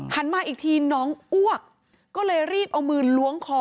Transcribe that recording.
มาอีกทีน้องอ้วกก็เลยรีบเอามือล้วงคอ